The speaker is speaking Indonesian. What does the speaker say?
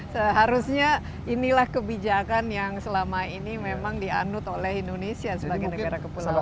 seharusnya inilah kebijakan yang selama ini memang dianut oleh indonesia sebagai negara kepulauan